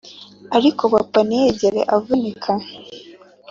ariko papa ntiyigeze avunika